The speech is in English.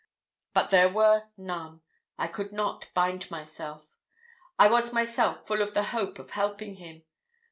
But there were none. I could not bind myself. I was myself full of the hope of helping him.